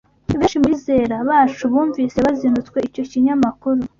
Benshi mu bizera bacu bumvise bazinutswe icyo kinyamakuru